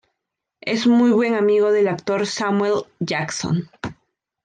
Es muy buen amigo del actor Samuel L. Jackson.